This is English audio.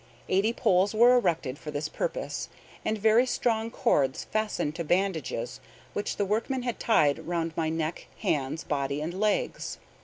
Eighty poles were erected for this purpose, and very strong cords fastened to bandages which the workmen had tied round my neck, hands, body, and legs.